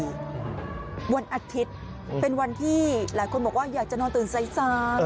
วันอาทิตย์เป็นวันที่หลายคนบอกว่าอยากจะนอนตื่นสาย